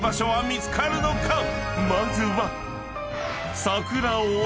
［まずは］